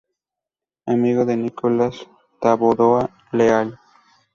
Amigo de Nicolás Taboada Leal.